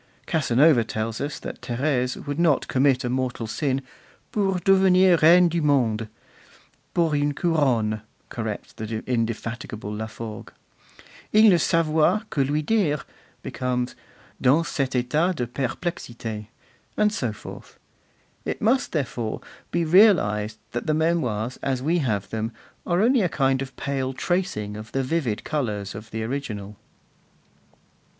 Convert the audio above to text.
Casanova tells us that Thérèse would not commit a mortal sin 'pour devenir reine du monde;' pour une couronne,' corrects the indefatigable Laforgue. 'Il ne savoit que lui dire' becomes 'Dans cet etat de perplexite;' and so forth. It must, therefore, be realized that the Memoirs, as we have them, are only a kind of pale tracing of the vivid colours of the original.